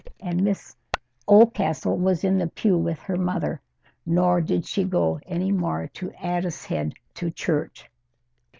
And Miss Oldcastle was in the pew with her mother. Nor did she go any more to Addicehead to church.